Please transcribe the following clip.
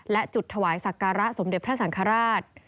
และจุดถวายสักการะสมเด็จพระสังฆราช